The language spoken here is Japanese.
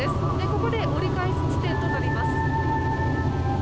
ここで折り返し地点となります。